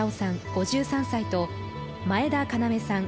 ５３歳と前田要さん